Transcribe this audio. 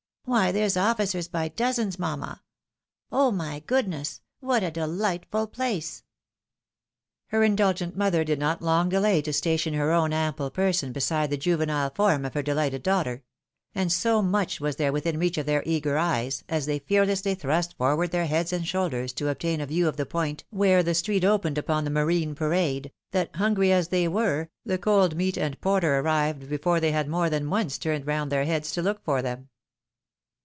Why there's oflBcers by dozens, mamma ! Oh! my goodness! what a dehghtful place !" Her indulgent mother did not long delay to station her own ample person beside the juvenOe form of her dehghted daughter ; and so much was there within reach of their eager eyes, as they fearlessly tlnrust forward their heads and shoulders to obtain a view of the point where the street opened upon the Marine parade, that, hungry as they were, the cold meat and porter arrived before they had more than once turned round their heads to look for them.